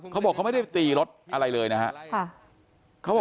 เขาบอกเขาไม่ได้ตีรถอะไรเลยนะครับ